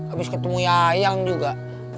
abis ketemu yayang juga